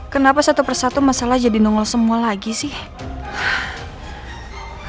kenapa satu persatu masalah jadi nongol semua lagi sih